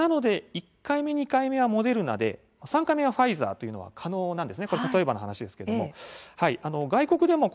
ですので１回目２回目はモデルナで３回目はファイザーというのは可能です。